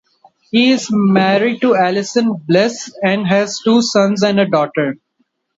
He is married to Allison Bliss, and has two sons and a daughter.